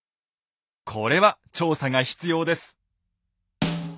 これは調査が必要です。